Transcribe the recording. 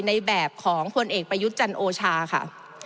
ในแบบของพลเอกประยุทธ์จันโอชาค่ะ